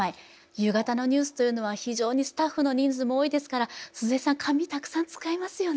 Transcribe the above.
夕方のニュースというのは非常にスタッフの人数も多いですから鈴江さん紙たくさん使いますよね？